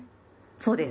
そうです。